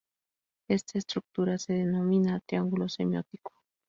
Esta estructura se denomina "triángulo semiótico.